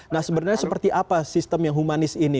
nah sebenarnya seperti apa sistem yang humanis ini